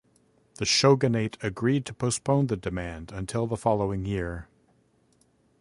The shogunate agreed to postpone the demand until the following year.